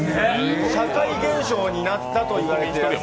社会現象になったといわれています。